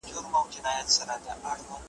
ساقي د محتسب او د شیخانو له شامته,